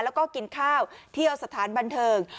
แล้วก็กินข้าวเที่ยวสถานบันเทิง